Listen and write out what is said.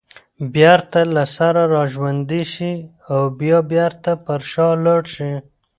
بېرته له سره راژوندي شي او بیا بېرته پر شا لاړ شي